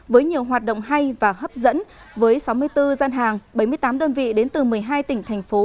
với nhiều hoạt động hay và hấp dẫn với sáu mươi bốn gian hàng bảy mươi tám đơn vị đến từ một mươi hai tỉnh thành phố